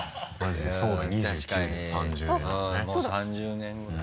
もう３０年ぐらい。